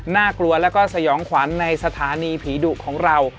น่ากลัวแล้วก็สยองขวัญในสถานีผีดุของเรา